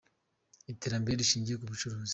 Iterambere rishingiye kubucuruzi